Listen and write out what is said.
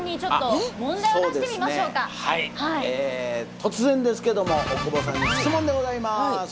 突然ですけども大久保さんに質問でございます。